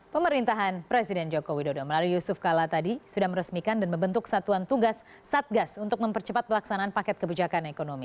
pemerintahan presiden joko widodo melalui yusuf kala tadi sudah meresmikan dan membentuk satuan tugas satgas untuk mempercepat pelaksanaan paket kebijakan ekonomi